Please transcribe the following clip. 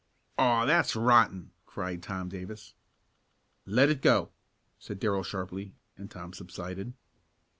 "Aw, that's rotten!" cried Tom Davis. "Let it go!" said Darrell sharply, and Tom subsided.